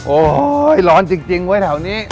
โอ้โหร้อนจริงไว้แถวนี้